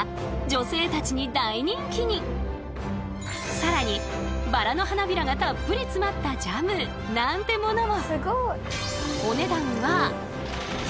更にバラの花びらがたっぷり詰まったジャムなんてものも。